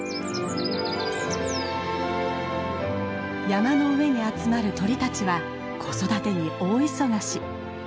山の上に集まる鳥たちは子育てに大忙し。